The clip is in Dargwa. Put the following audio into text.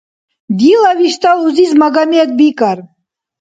Дила виштӀал узис Магомед бикӀар